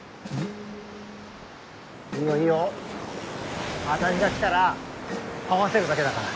いいよいいよ。あたりが来たら合わせるだけだから。